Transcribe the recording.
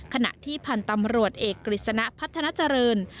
ขณะที่พันธ์ตำรวจเอกกฤษณะพัฒนาเจริญ